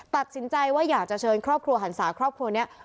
ตัดสินใจว่าอยากจะเชิญครอบครัวหันศาครอบครัวนี้